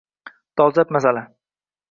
– dolzarb masala.